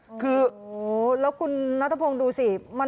โอ้โหแล้วคุณนัทพงศ์ดูสิ